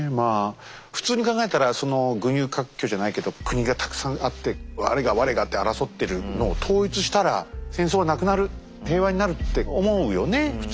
普通に考えたら群雄割拠じゃないけど国がたくさんあって我が我がって争ってるのを統一したら戦争はなくなる平和になるって思うよね普通ね。